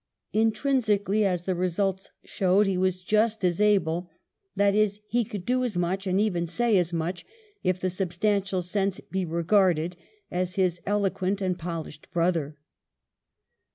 Intrinsically, as the result showed, he was just as able — that is, he could do as much and even say as much, if the substantial sense be regarded, as his eloquent and polished brother.